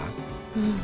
うん。